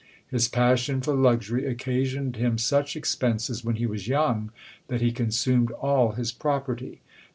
His passion for luxury occasioned him such expenses when he was young, that he consumed all his property.